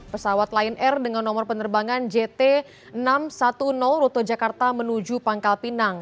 pesawat lion air dengan nomor penerbangan jt enam ratus sepuluh rute jakarta menuju pangkal pinang